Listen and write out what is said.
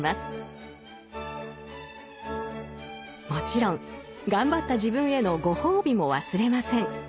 もちろん頑張った自分へのご褒美も忘れません。